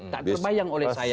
tak terbayang oleh saya